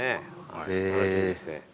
楽しみですね。